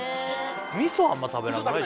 味噌あんま食べなくない？